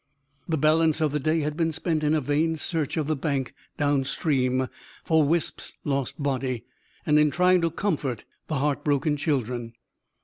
The balance of the day had been spent in a vain search of the bank, downstream, for Wisp's lost body; and in trying to comfort the heart broken children.